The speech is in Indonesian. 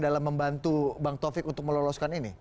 dalam membantu bank tovik untuk meloloskan ini